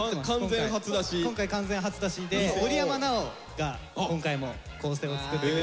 今回完全初出しで織山尚大が今回も構成を作ってくれて。